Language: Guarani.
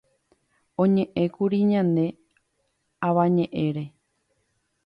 oñe'ẽkuri ñane Avañe'ẽre